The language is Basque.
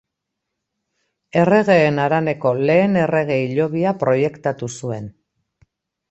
Erregeen Haraneko lehen errege hilobia proiektatu zuen.